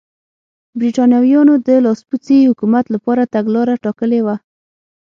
برېټانویانو د لاسپوڅي حکومت لپاره تګلاره ټاکلې وه.